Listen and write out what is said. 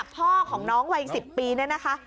พ่อของน้องวัย๑๐ปีเนี่ยนะคะ